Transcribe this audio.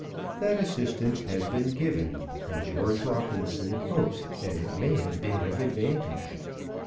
That assistance has been given, and George Robinson hopes that it may have been of advantage.